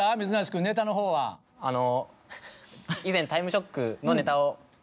あの。